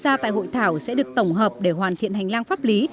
chuyên gia tại hội thảo sẽ được tổng hợp để hoàn thiện hành lang pháp lý